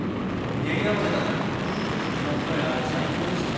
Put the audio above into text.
やっぱりあれ最高ですね。